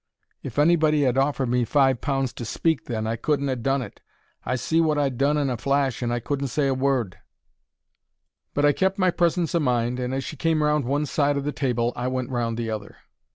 If anybody 'ad offered me five pounds to speak then, I couldn't ha' done it. I see wot I'd done in a flash, and I couldn't say a word; but I kept my presence o' mind, and as she came round one side o' the table I went round the other.